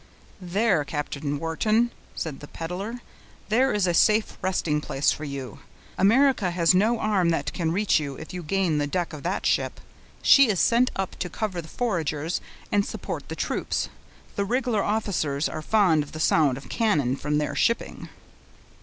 "There, Captain Wharton," said the peddler, "there is a safe resting place for you; America has no arm that can reach you, if you gain the deck of that ship. She is sent up to cover the foragers, and support the troops; the rig'lar officers are fond of the sound of cannon from their shipping."